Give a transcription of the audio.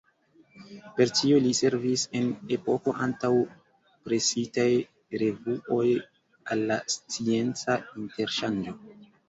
Per tio li servis, en epoko antaŭ presitaj revuoj, al la scienca interŝanĝo.